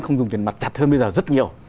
không dùng tiền mặt chặt hơn bây giờ rất nhiều